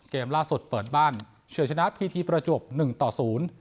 เกมล่าสุดเปิดบ้านเฉยชนะพีทีประจวบหนึ่งต่อศูนย์